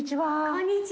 △こんにち。